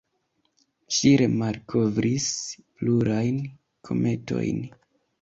Ŝi remalkovris plurajn kometojn.